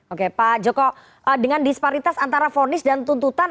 oke pak joko dengan disparitas antara fonis dan tuntutan